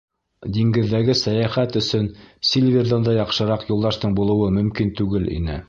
Диңгеҙҙәге сәйәхәт өсөн Сильверҙан да яҡшыраҡ юлдаштың булыуы мөмкин түгел ине.